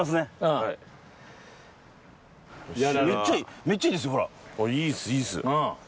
いいっすいいっす。